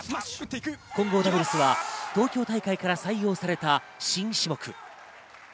混合ダブルスは東京大会から採用された新種目。